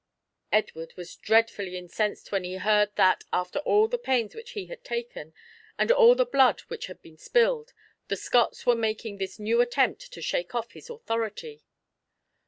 Edward was dreadfully incensed when he heard that, after all the pains which he had taken, and all the blood which had been spilled, the Scots were making this new attempt to shake off his authority.